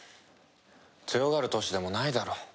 強がる年でもないだろ。